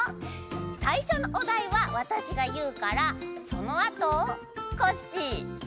さいしょのおだいはわたしがいうからそのあとコッシースイちゃんデテコサボさん